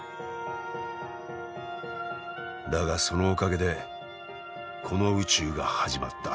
だがそのおかげでこの宇宙が始まった。